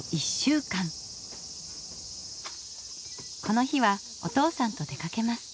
この日はお父さんと出かけます。